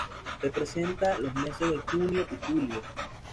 Representa los meses de junio y julio.